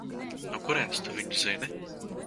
No kurienes tu viņu zini?